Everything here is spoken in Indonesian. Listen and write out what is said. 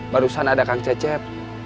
barusan ada kang cecep